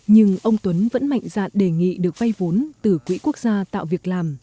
nhưng ông tuấn vẫn mạnh dạn đề nghị được vay vốn từ quỹ quốc gia tạo việc làm